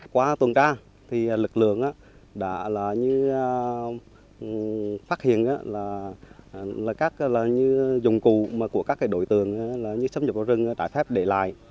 qua tuần tra lực lượng đã phát hiện các dụng cụ của các đối tượng xâm nhập rừng trái phép để lại